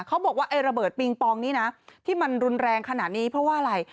เขาบอกว่าไอ้ระเบิดปิงปองนี้นะที่มันรุนแรงขนาดนี้เพราะว่าอะไร